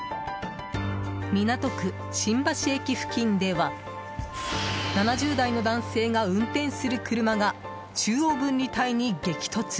港区新橋駅付近では７０代の男性が運転する車が中央分離帯に激突。